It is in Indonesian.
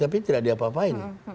tapi tidak dia apa apain